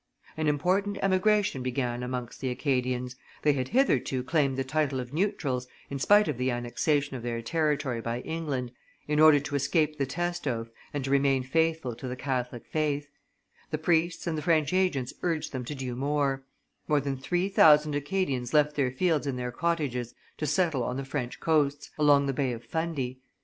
An important emigration began amongst the Acadians; they had hitherto claimed the title of neutrals, in spite of the annexation of their territory by England, in order to escape the test oath and to remain faithful to the Catholic faith; the priests and the French agents urged them to do more; more than three thousand Acadians left their fields and their cottages to settle on the French coasts, along the Bay of Fundy.